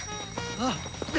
ああ！